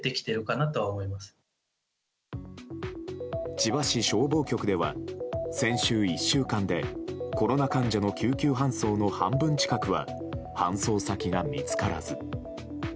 千葉市消防局では先週１週間でコロナ患者の救急搬送の半分近くは搬送先が見つからず。